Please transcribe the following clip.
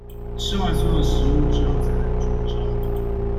吃完所有食物之後才能煮粥